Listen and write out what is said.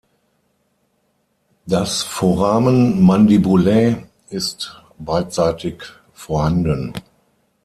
Das Foramen mandibulae ist beidseitig vorhanden.